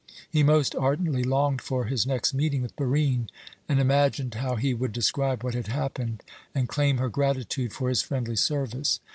He most ardently longed for his next meeting with Barine, and imagined how he would describe what had happened and claim her gratitude for his friendly service.